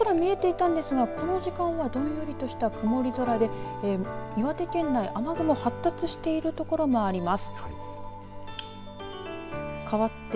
１時間ほど前までは青空が見えていたんですがこの時間はどんよりとした曇り空で岩手県内、雨雲が発達している所があります。